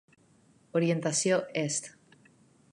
Orientació est.